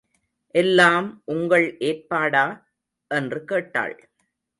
எல்லாம் உங்கள் ஏற்பாடா? என்று கேட்டாள்.